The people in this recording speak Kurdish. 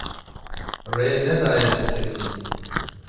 Rê nedaye ti kesî.